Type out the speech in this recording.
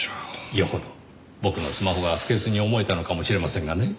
よほど僕のスマホが不潔に思えたのかもしれませんがね。